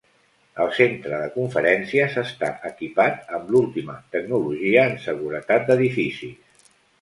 El Centre de Conferències està equipat amb l'última tecnologia en seguretat d'edificis.